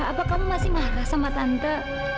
apa kamu masih marah sama tante